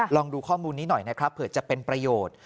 ลองดูข้อมูลนี้หน่อยนะครับเผื่อจะเป็นประโยชน์